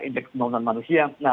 indeks penontonan manusia